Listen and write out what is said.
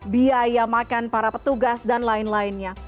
biaya makan para petugas dan lain lainnya